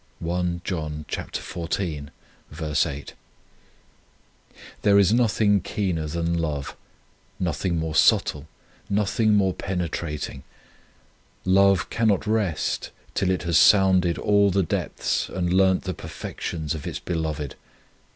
1 There is nothing keener than love, nothing more subtle, nothing more penetrating. Love cannot rest till it has sounded all the depths and learnt the perfections of its Beloved.